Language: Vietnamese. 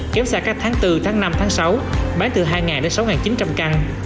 kéo xa các tháng bốn tháng năm tháng sáu bán từ hai đến sáu chín trăm linh căn